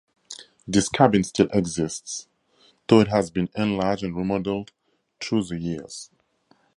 This cabin still exists, though it has been enlarged and remodeled through the years.